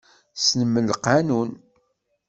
Tessnem laqanun.